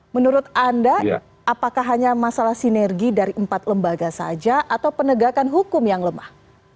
menurut anda apakah hanya masalah sinergi dari empat lembaga saja atau penegakan hukum yang lemah